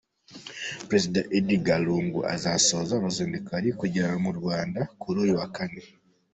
Perezida Edgar Lungu azasoza uruzinduko ari kugirira mu Rwanda kuri uyu wa Kane.